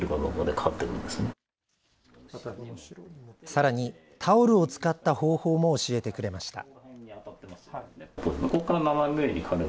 さらにタオルを使った方法も教えてくれました。